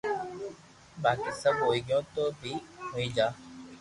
باڪي سب ھوئي گيو تو بي ھوئي جا